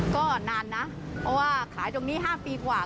ก็นานนะเพราะว่าขายตรงนี้๕ปีกว่า